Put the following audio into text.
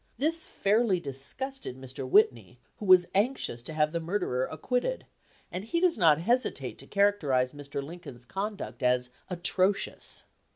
This fairly disgusted Mr. Whit ney, who was anxious to have the murderer ac quitted, and he does not hesitate to characterize Mr. Lincoln's conduct as "atrocious."